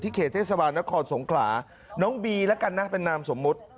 เขตเทศบาลนครสงขลาน้องบีแล้วกันนะเป็นนามสมมุติ